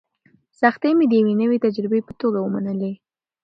سختۍ مې د یوې نوې تجربې په توګه ومنلې.